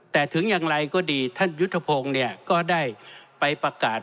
แต่ถึงอย่างไรก็ดีท่านยุทธพงศ์เนี่ยก็ได้ไปประกาศ